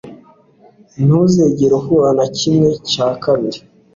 ntuzigera uhura na kimwe cya kabiri